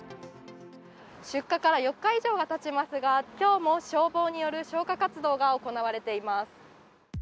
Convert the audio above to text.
出火から４日以上がたちますが今日も、消防による消火活動が行われています。